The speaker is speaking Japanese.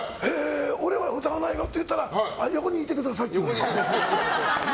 俺は歌わないの？って言ったら横にいてくださいって。